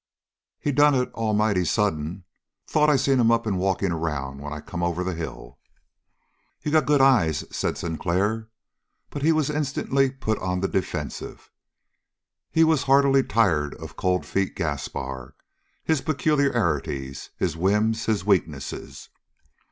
"He done it almighty sudden. Thought I seen him up and walking around when I come over the hill." "You got good eyes," said Sinclair, but he was instantly put on the defensive. He was heartily tired of Cold Feet Gaspar, his peculiarities, his whims, his weaknesses.